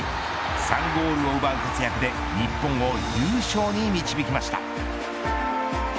３ゴールを奪う活躍で日本を優勝に導きました。